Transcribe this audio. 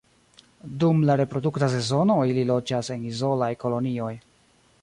Dum la reprodukta sezono ili loĝas en izolaj kolonioj.